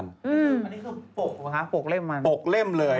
อันนี้คือปกเล่มเลย